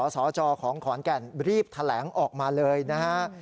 สจของขอนแก่นรีบแถลงออกมาเลยนะฮะ